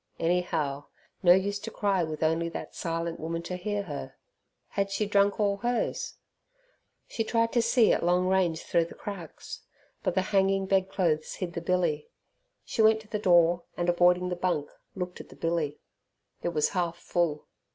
Anyhow no use to cry with only that silent woman to hear her. Had she drunk all hers? She tried to see at long range through the cracks, but the hanging bed clothes hid the billy. She went to the door, and, avoiding the bunk looked at the billy. It was half full.